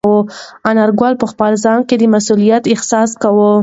انارګل په خپل ځان کې د مسؤلیت احساس کاوه.